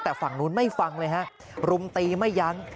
แต่ฝั่งนู้นไม่ฟังเลยฮะรุมตีไม่ยั้ง